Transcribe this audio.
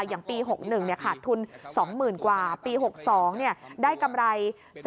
อย่างปี๖๑ขาดทุน๒๐๐๐กว่าปี๖๒ได้กำไร